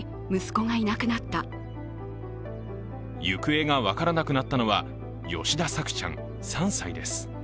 行方が分からなくなったのは吉田朔ちゃん３歳です。